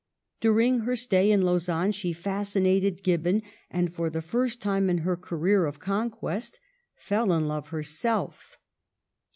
During her stay in Lausanne she fascinated Gibbon, and, for the first time in her career of conquest, fell in love herself.